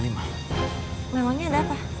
memangnya ada apa